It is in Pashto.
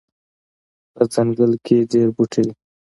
په ځنګل کې ډیر بوټي دي